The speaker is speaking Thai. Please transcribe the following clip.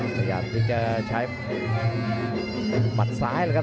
พยายามจะใช้มัดซ้ายเลยครับ